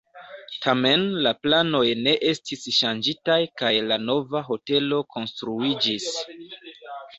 Tamen la planoj ne estis ŝanĝitaj kaj la nova hotelo konstruiĝis.